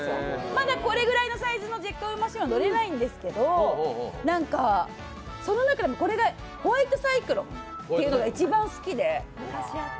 まだこれぐらいのサイズの絶叫マシンは乗れないんですけどその中でも、ホワイトサイクロンというのが一番好きで。